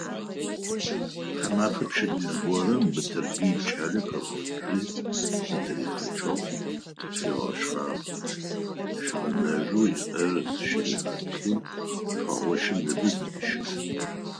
Тхьаумэфэ пчэдыжь горэм Батырбый икӀалэ къыгъэуцуи зыригъэтхьакӀыгъ, ыгъэшхагъ, щыгъыныжъэу иӀэр зыщыригъалъи, Шъхьэгощэ ныбэ зыдищагъ.